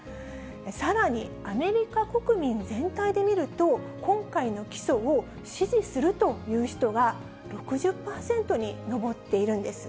さらに、アメリカ国民全体で見ると、今回の起訴を支持するという人が、６０％に上っているんです。